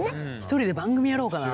１人で番組やろうかな。